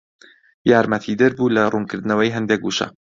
یارمەتیدەر بوو لە ڕوونکردنەوەی هەندێک وشە